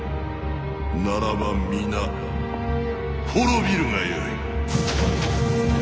ならば皆滅びるがよい！